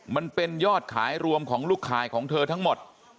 มันเป็นยอดขายรวมของลูกขายของเธอทั้งหมด